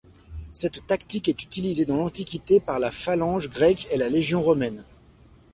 Cette tactique est utilisée dans l'Antiquité par la phalange grecque et la légion romaine.